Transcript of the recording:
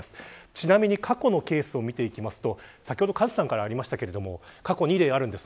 ちなみに過去のケースを見ていきますと先ほどカズさんからありましたが過去に例があります。